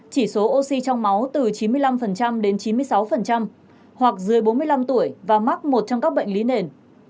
chỉ số oxy trong máu từ chín mươi năm đến chín mươi sáu hoặc dưới bốn mươi năm tuổi và mắc một trong các bệnh lý nền